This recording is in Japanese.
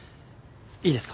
いいですか？